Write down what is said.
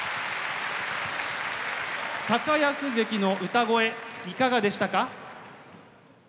安関の歌声いかがでしたか？